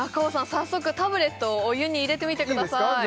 早速タブレットをお湯に入れてみてくださいいいですか？